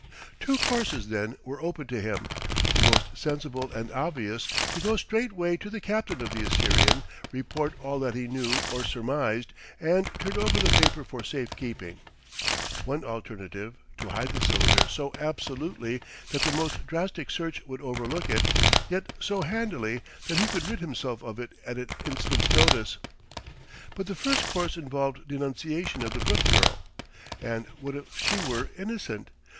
Two courses, then, were open to him: the most sensible and obvious, to go straightway to the captain of the Assyrian, report all that he knew or surmised, and turn over the paper for safekeeping; one alternative, to hide the cylinder so absolutely that the most drastic search would overlook it, yet so handily that he could rid himself of it at an instant's notice. But the first course involved denunciation of the Brooke girl. And what if she were innocent?